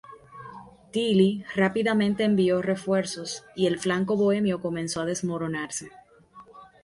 Tilly rápidamente envió refuerzos, y el flanco bohemio comenzó a desmoronarse.